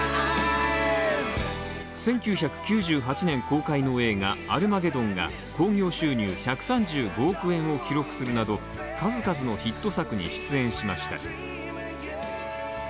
１９９８年公開の映画「アルマゲドン」が興行収入１３５億円を記録するなど数々のヒット作に出演しました。